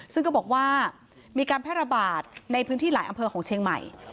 ซึ่งก็บอกว่ามีการแพร่ระบาดในพื้นที่หลายอำเภอของเชียงใหม่